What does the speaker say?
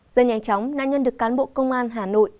rất nhanh chóng nạn nhân được cán bộ công an hà nội